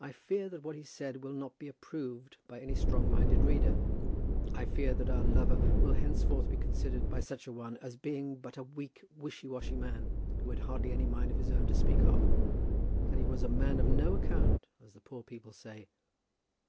I fear that what he said will not be approved by any strong minded reader. I fear that our lover will henceforth be considered by such a one as being but a weak, wishy washy man, who had hardly any mind of his own to speak of; that he was a man of no account, as the poor people say.